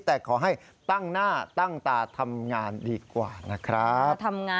แต่ขอให้ตั้งหน้าตั้งตาทำงานดีกว่านะครับ